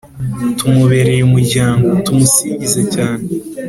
tumubereye umuryango : tumusingize cyane !